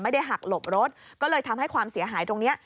ไม่ได้หักหลบรถก็เลยทำให้ความเสียหายตรงนี้